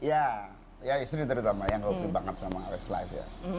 ya istri terutama yang hobi banget sama westlife ya